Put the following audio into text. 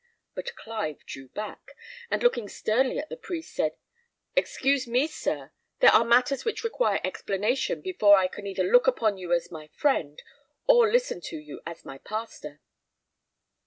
But Clive drew back, and looking sternly at the priest, said, "Excuse me, sir; there are matters which require explanation before I can either look upon you as my friend, or listen to you as my pastor."